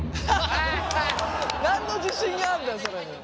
何の自信なんだよそれ！